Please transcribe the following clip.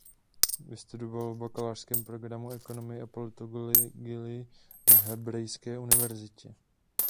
Vystudoval v bakalářském programu ekonomii a politologii na Hebrejské univerzitě.